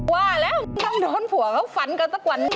ว่าแล้วจะต้องโดนผัวเขาฟันกันตะกวัน